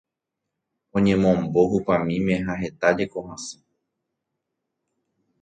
Oñemombo hupamíme ha hetájeko hasẽ.